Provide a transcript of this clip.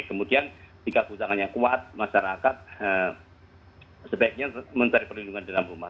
kemudian jika kerusakannya kuat masyarakat sebaiknya mencari perlindungan di dalam rumah